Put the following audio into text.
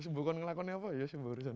sebuah ngelakonnya apa ya sebuah urusan